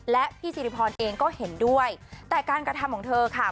และพี่สิริพรเองก็เห็นด้วยแต่การกระทำของเธอค่ะ